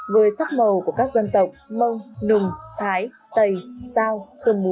với sắc màu của các dân tộc mông nùng thái tầy giao cơm mú